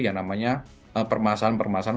yang namanya permasaan permasaan